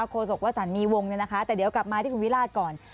โศกวสันมีวงเนี่ยนะคะแต่เดี๋ยวกลับมาที่คุณวิราชก่อน